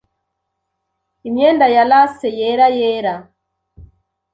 Imyenda ya lace yera yera